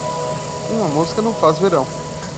Uma mosca não faz verão.